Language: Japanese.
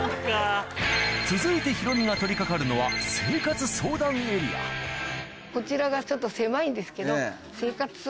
続いてヒロミが取り掛かるのはこちらがちょっと狭いんですけど。